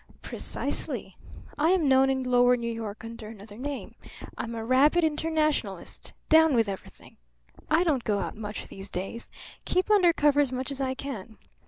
"Precisely. I am known in lower New York under another name. I'm a rabid internationalist. Down with everything! I don't go out much these days; keep under cover as much as I can.